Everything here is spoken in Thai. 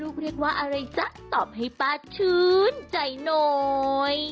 เรียกว่าอะไรจ๊ะตอบให้ป้าชื้นใจน้อย